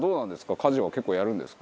家事は結構やるんですか？